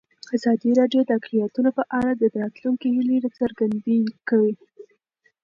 ازادي راډیو د اقلیتونه په اړه د راتلونکي هیلې څرګندې کړې.